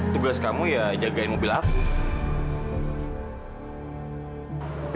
tugas kamu ya jagain mobil aku